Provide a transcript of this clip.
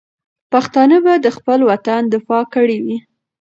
پښتانه به د خپل وطن دفاع کړې وي.